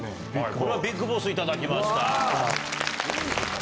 これはビッグボス頂きました。